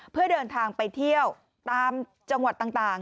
เพื่อเดินทางไปเที่ยวตามจังหวัดต่าง